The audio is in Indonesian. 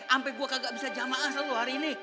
ampe gue kagak bisa jamaah selalu hari ini